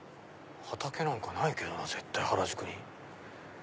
畑なんかないけどな絶対原宿に。